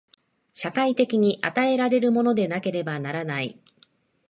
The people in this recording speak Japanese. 社会的に与えられるものでなければならない。